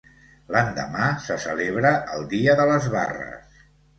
L'endemà se celebra el Dia de les Barres.